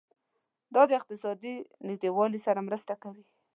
دا د اقتصادي نږدیوالي سره مرسته کوي.